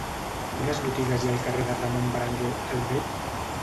Quines botigues hi ha al carrer de Ramon Berenguer el Vell?